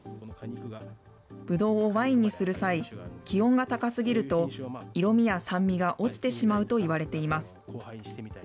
ぶどうをワインにする際、気温が高すぎると、色みや酸味が落ちてしまうといわれています。